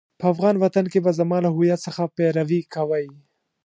په افغان وطن کې به زما له هويت څخه پيروي کوئ.